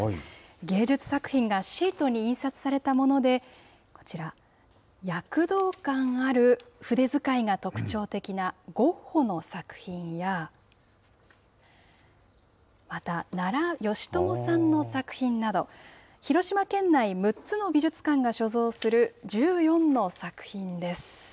芸術作品がシートに印刷されたもので、こちら、躍動感ある筆遣いが特徴的なゴッホの作品や、また、奈良美智さんの作品など、広島県内６つの美術館が所蔵する１４の作品です。